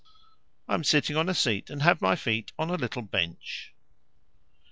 I am sitting on a seat and have my feet on a little bench.